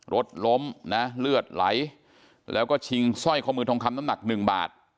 รถล้มนะเลือดไหลแล้วก็ชิงสร้อยข้อมือทองคำน้ำหนักหนึ่งบาท